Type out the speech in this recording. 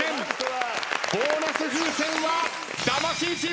ボーナス風船は魂チームです！